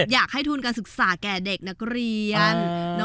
อยากให้ทุนการศึกษาแก่เด็กนักเรียน